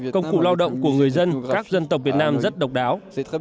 công cụ lao động của người dân các dân tộc việt nam rất độc đáo